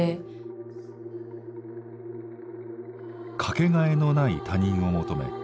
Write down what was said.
「かけがえのない他人」を求め